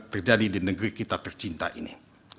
terjadi di negeri kita tercinta ini